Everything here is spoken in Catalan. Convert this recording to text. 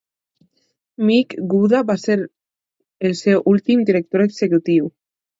Mick Gooda va ser el seu últim director executiu.